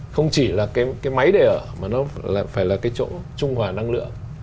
không chỉ là cái máy để ở mà nó lại phải là cái chỗ trung hòa năng lượng